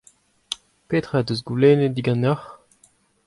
Petra he deus goulennet diganeoc'h ?